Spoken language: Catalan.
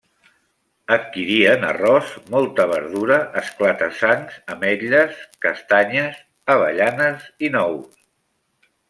Adquirien arròs, molta verdura, esclata-sangs, ametles, castanyes, avellanes i nous.